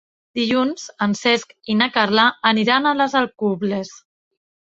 Dilluns en Cesc i na Carla aniran a les Alcubles.